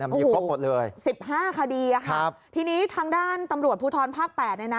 มีปลกหมดเลย๑๕คดีที่นี้ทางด้านตำรวจภูทรภาค๘